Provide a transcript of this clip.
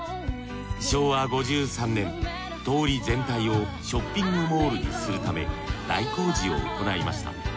昭和５３年通り全体をショッピングモールにするため大工事を行いました。